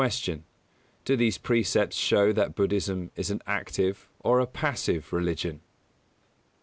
Q. _Do these precepts show that Buddhism is an active or a passive religion?